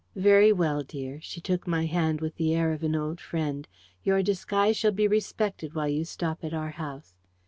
Very well, dear," she took my hand with the air of an old friend, "your disguise shall be respected while you stop at our house.